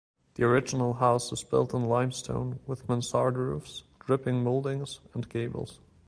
The original house is built in limestone with mansard roofs, dripping moldings, and gables.